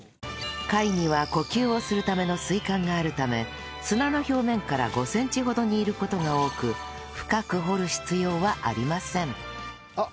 貝には呼吸をするための水管があるため砂の表面から５センチほどにいる事が多く深く掘る必要はありません